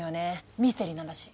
ミステリーなんだし。